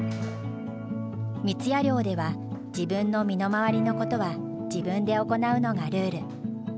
三矢寮では自分の身の回りのことは自分で行うのがルール。